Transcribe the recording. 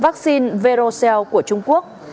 vaccine verocell của trung quốc